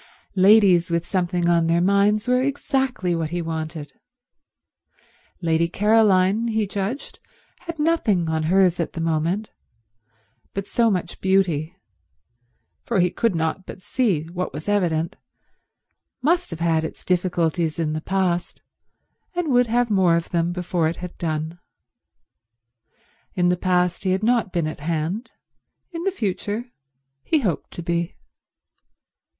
Ladies with something on their minds were exactly what he wanted. Lady Caroline, he judged, had nothing on hers at the moment, but so much beauty—for he could not but see what was evident—must have had its difficulties in the past and would have more of them before it had done. In the past he had not been at hand; in the future he hoped to be.